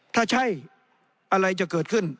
ถ้าใช่อะไรจะเกิดขึ้น